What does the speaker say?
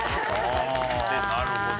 あなるほど。